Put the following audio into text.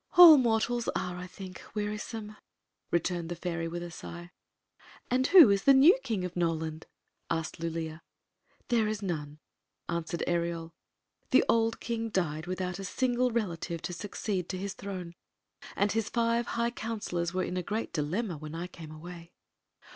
"All mortals are, I think, wearisome," returned the fairy, with a sigh. "And who is the new King of Noland?" asked Lulea. "There is none," answered Ereol. "The old king died without a single relative to succeed to his throne, Story of the Magic Cloak 13 and his five high counselors were in a great dilemma when I came away."